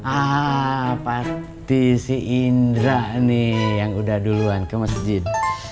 ah pasti si indra nih yang udah duluan ke masjid